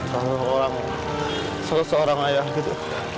selalu orang selalu seorang ayah gitu